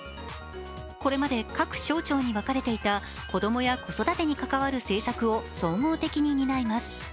これまで各省庁に分かれていた子供や子育てに関わる政策を総合的に担います。